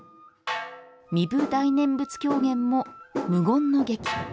壬生大念仏狂言も無言の劇。